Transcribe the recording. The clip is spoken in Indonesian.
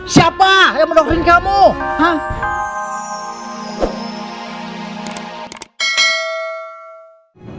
siapa yang mendokterin kamu ha